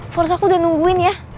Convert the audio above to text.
force aku udah nungguin ya